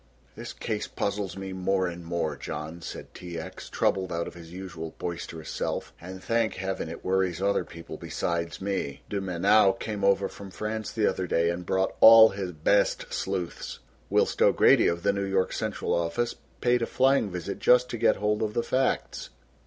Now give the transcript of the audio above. "This case puzzles me more and more, John," said T. X., troubled out of his usual boisterous self, "and thank heaven it worries other people besides me. De Mainau came over from France the other day and brought all his best sleuths, whilst O'Grady of the New York central office paid a flying visit just to get hold of the facts.